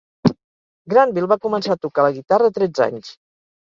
Granville va començar a tocar la guitarra a tretze anys.